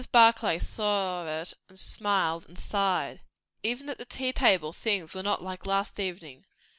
Barclay saw it, and smiled, and sighed. Even at the tea table things were not like last evening.